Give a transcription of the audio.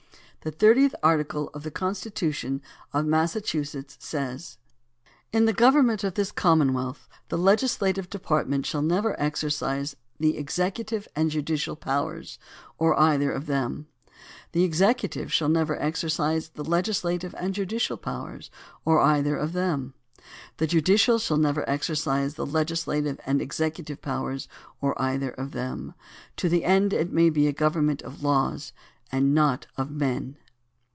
The thirtieth article of the constitution 6i Massachusetts says: 102 COMPULSORY INITIATIVE AND REFERENDUM In the government of this Commonwealth the legislative department shall never exercise the executive and judicial powers, or either of them; the executive shall never exercise the legislative and judicial powers, or either of them; the judicial shall never exercise the legislative and executive powers, or either of them, to the end it may be a government of laws and not of men.